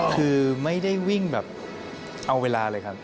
คือไม่ได้วิ่งแบบเอาเวลาเลยครับ